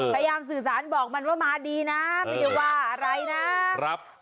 พยายามสื่อสารบอกมันว่ามาดีนะไม่ได้ว่าอะไรนะครับ